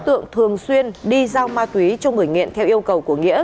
tạo ma túy cho người nghiện theo yêu cầu của nghĩa